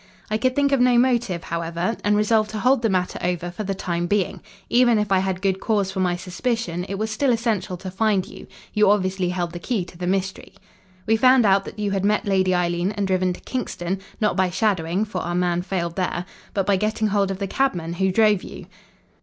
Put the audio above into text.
"I could think of no motive, however, and resolved to hold the matter over for the time being. Even if I had good cause for my suspicion, it was still essential to find you. You obviously held the key to the mystery. "We found out that you had met Lady Eileen, and driven to Kingston not by shadowing, for our man failed there but by getting hold of the cabman who drove you.